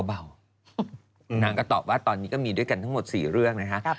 นางก็ตอบว่าตอนนี้ก็มีด้วยกันทั้งหมด๔เรื่องนะคะ